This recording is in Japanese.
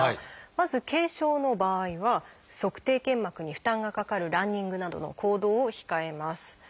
まず軽症の場合は足底腱膜に負担がかかるランニングなどの行動を控えます。